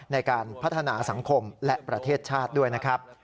ในการพัฒนาสังคมและประเทศชาติด้วยนะครับ